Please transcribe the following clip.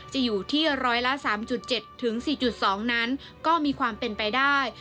จะอยู่ที่ร้อยละ๓๗๔๒นั้นก็มีความเป็นไปได้